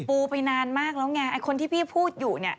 ปูไปนานมากแล้วไงไอ้คนที่พี่พูดอยู่เนี่ย